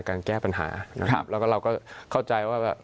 การแก้ปัญหาแล้วก็เราก็เข้าใจว่า